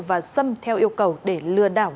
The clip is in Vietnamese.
và xâm theo yêu cầu để lừa đảo